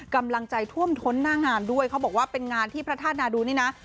กำลังใจท่วมท้นหน้างานด้วยเขาบอกว่าเป็นงานที่พระธาตุนาดูนี่นะ